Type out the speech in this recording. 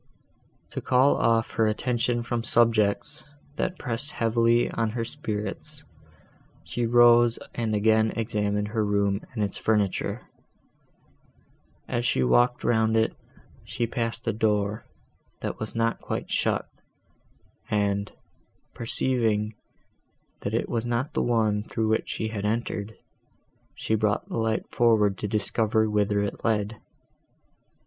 To call off her attention from subjects, that pressed heavily on her spirits, she rose and again examined her room and its furniture. As she walked round it, she passed a door, that was not quite shut, and, perceiving, that it was not the one, through which she entered, she brought the light forward to discover whither it led.